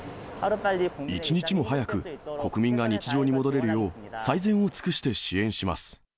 一日も早く国民が日常に戻れるよう、最善を尽くして支援します。